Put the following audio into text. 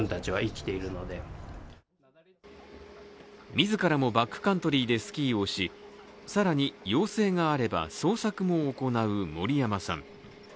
自らもバックカントリーでスキーをし更に要請があれば捜索も行う森山さん。